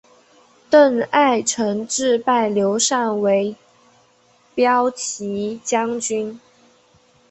邓艾承制拜刘禅为骠骑将军。